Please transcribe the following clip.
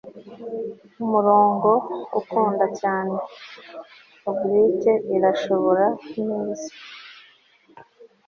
nkumurongo (ukunda cyane) oblique irashobora neza